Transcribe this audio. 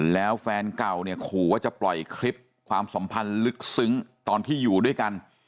แล้วแฟนเก่าเนี่ยขู่ว่าจะปล่อยคลิปความสัมพันธ์ลึกซึ้งตอนที่อยู่ด้วยกัน